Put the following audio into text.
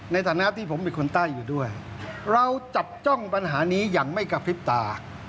ในฐานะที่ผมเป็นคนใต้อยู่ด้วยเราจับจ้องปัญหานี้อย่างไม่กระพริบตา